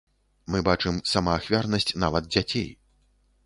Мы бачым самаахвярнасць нават дзяцей.